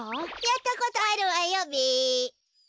やったことあるわよべ。